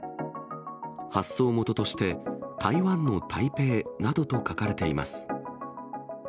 発送元として、台湾の台北などと書かれています。